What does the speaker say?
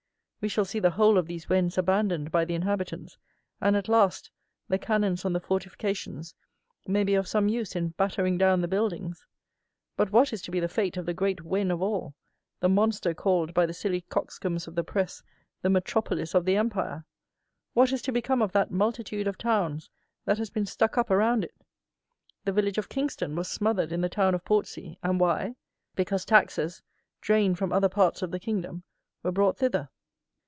We shall see the whole of these wens abandoned by the inhabitants, and, at last, the cannons on the fortifications may be of some use in battering down the buildings. But what is to be the fate of the great wen of all? The monster called, by the silly coxcombs of the press, "the metropolis of the empire"? What is to become of that multitude of towns that has been stuck up around it? The village of Kingston was smothered in the town of Portsea; and why? Because taxes, drained from other parts of the kingdom, were brought thither.